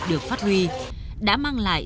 được phát huy đã mang lại